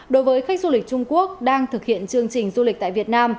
đối với khách du lịch trung quốc đang thực hiện chương trình du lịch tại việt nam